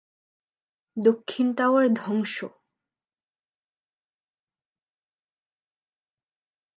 দক্ষিণ টাওয়ার ধ্বংস!